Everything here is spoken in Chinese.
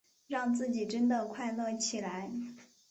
让自己真的快乐起来